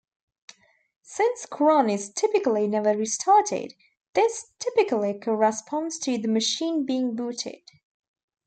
Since cron is typically never restarted, this typically corresponds to the machine being booted.